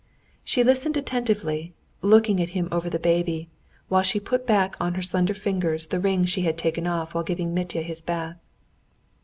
She listened attentively, looking at him over the baby, while she put back on her slender fingers the rings she had taken off while giving Mitya his bath.